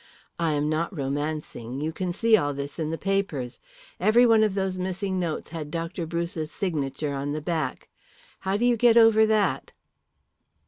I am not romancing; you can see all this in the papers. Every one of those missing notes had Dr. Bruce's signature on the back. How do you get over that?"